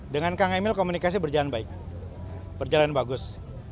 dengan kang emil komunikasi berjalan baik berjalan bagus